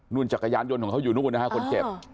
จักรยานยนต์ของเขาอยู่นู่นนะฮะคนเจ็บ